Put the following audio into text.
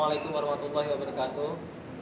waalaikumsalam warahmatullahi wabarakatuh